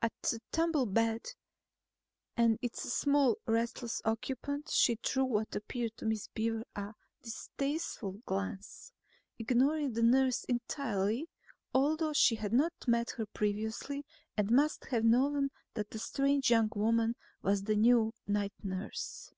At the tumbled bed and its small restless occupant she threw what appeared to Miss Beaver a distasteful glance, ignoring the nurse entirely although she had not met her previously and must have known that the strange young woman was the new night nurse.